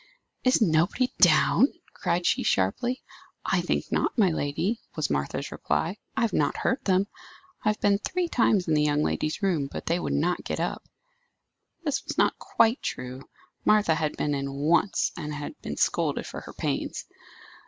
"Is nobody down?" cried she, sharply. "I think not, my lady," was Martha's reply. "I have not heard them. I have been three times in the young ladies' room, but they would not get up." This was not quite true. Martha had been in once, and had been scolded for her pains.